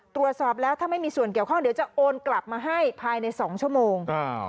ตรวจสอบแล้วถ้าไม่มีส่วนเกี่ยวข้องเดี๋ยวจะโอนกลับมาให้ภายใน๒ชั่วโมง